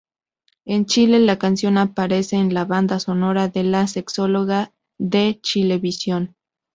En Chile, la canción aparece en la banda sonora de "La Sexóloga" de Chilevisión.